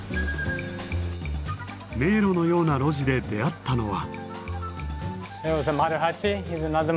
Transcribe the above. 迷路のような路地で出会ったのは。